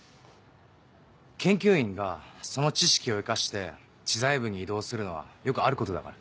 研究員がその知識を生かして知財部に異動するのはよくあることだから。